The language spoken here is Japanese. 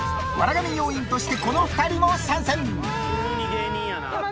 神要員としてこの２人も参戦！